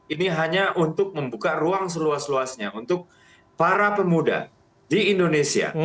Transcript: ini hanya untuk membuka ruang seluas luasnya untuk para pemuda di indonesia